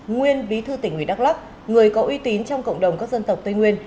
nguyên bí thư tỉnh người đắk lắk người có uy tín trong cộng đồng các dân tộc tây nguyên